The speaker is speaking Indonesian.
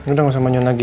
udah gak usah manyon lagi